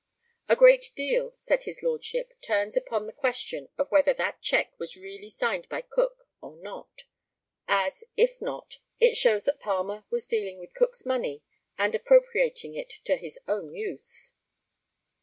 ] A great deal, said his Lordship, turns upon the question of whether that cheque was really signed by Cook or not, as, if not, it shows that Palmer was dealing with Cook's money and appropriating it to his own use.